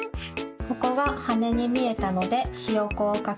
ここがはねにみえたのでひよこをかきました。